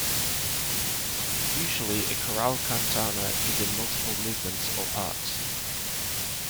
Usually a chorale cantata is in multiple movements or parts.